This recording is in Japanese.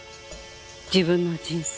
自分の人生。